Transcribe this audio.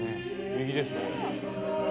右ですね。